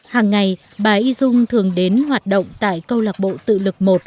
hàng ngày bà y dung thường đến hoạt động tại câu lạc bộ tự lực một